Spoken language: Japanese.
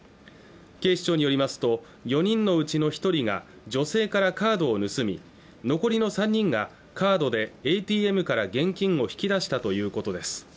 警視庁によりますと４人のうちの一人が女性からカードを盗み残りの３人がカードでＡＴＭから現金を引き出したということです